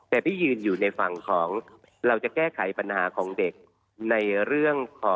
แต่พี่ยืนอยู่ในฝั่งของเราจะแก้ไขปัญหาของเด็กในเรื่องของ